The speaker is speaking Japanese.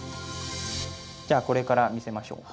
じゃあこれから見せましょう。